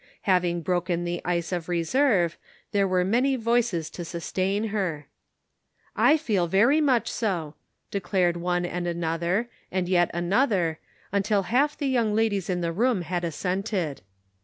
Having broken the ice of reserve there were many voices to sustain her. "I feel very much so," declared one and another, and yet another, until half the young ladies in the room had assented.